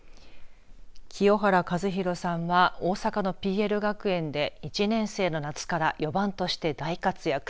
清原和博さんは大阪のＰＬ学園で１年生の夏から４番として大活躍。